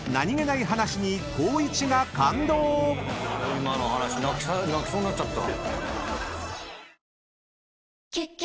今の話泣きそうになっちゃった。